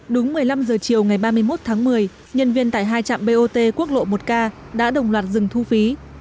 đúng một mươi năm h chiều ngày ba mươi một tháng một mươi nhân viên tại hai trạm bot quốc lộ một k đã đồng loạt dừng thu phí